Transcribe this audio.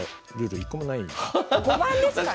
５番ですかね。